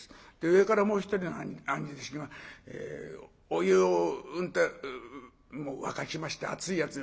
上からもう一人の兄弟子がお湯をうんと沸かしました熱いやつ